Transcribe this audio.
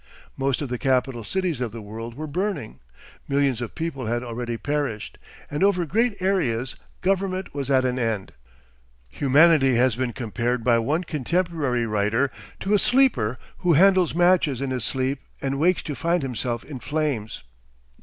Most of the capital cities of the world were burning; millions of people had already perished, and over great areas government was at an end. Humanity has been compared by one contemporary writer to a sleeper who handles matches in his sleep and wakes to find himself in flames.